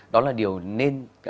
đó là điều nên